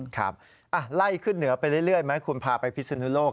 ครับไล่ขึ้นเหนือไปเรื่อยไหมคุณพาไปพิศนุโลก